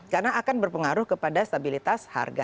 karena akan berpengaruh kepada stabilitas harga